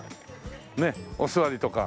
ねえお座りとか。